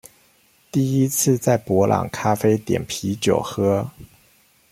第一次在伯朗咖啡點啤酒喝